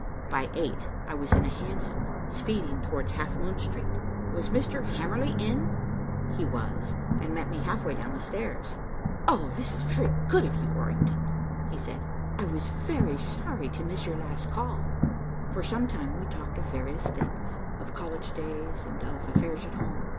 By eight I was in a hansom speeding towards Half Moon Street. "Was Mr. Hamerly in?" He was, and met me half way down the stairs. "This is very good of you, Orrington," he said. "I was very sorry to miss your last call." For some time we talked of various things, of college days, and of affairs at home.